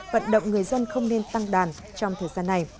vận động người dân không nên tăng đàn trong thời gian này